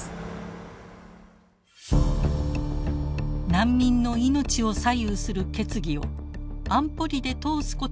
難民の命を左右する決議を安保理で通すことはできるのか。